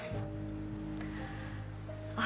jalani semua dengan ikhlas